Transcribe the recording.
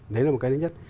đấy là một cái thứ nhất